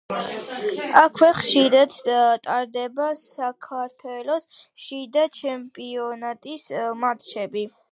აქვე ხშირად ტარდება საქართველოს შიდა ჩემპიონატის მატჩები.